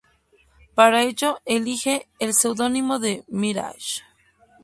Para ello elige el pseudónimo de "Mirage".